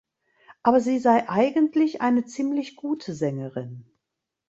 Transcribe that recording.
Aber sie sei eigentlich eine ziemlich gute Sängerin.